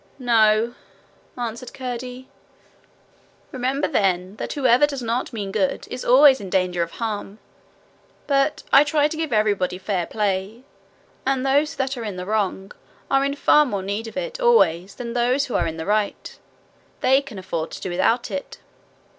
'No,' answered Curdie. 'Remember, then, that whoever does not mean good is always in danger of harm. But I try to give everybody fair play; and those that are in the wrong are in far more need of it always than those who are in the right: they can afford to do without it.